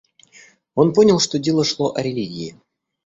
Он понял, что дело шло о религии.